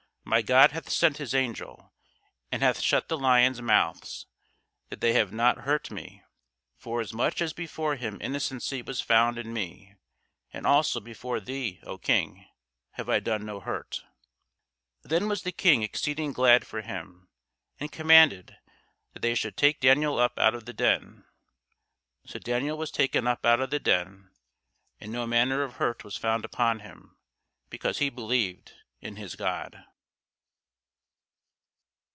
My God hath sent his angel, and hath shut the lions' mouths, that they have not hurt me: forasmuch as before him innocency was found in me: and also before thee, O King, have I done no hurt. Then was the King exceeding glad for him, and commanded that they should take Daniel up out of the den. So Daniel was taken up out of the den, and no manner of hurt was found upon him, because he believed in his God.